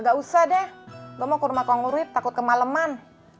gak usah deh gue mau ke rumah kongurit takut kemaleman